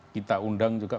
kita undang juga